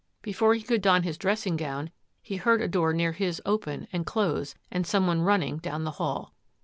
Be fore he could don his dressing gown, he heard a door near his open and close and some one running down the hall.